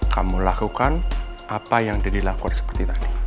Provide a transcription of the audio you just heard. kamu lakukan apa yang deddy lakukan seperti tadi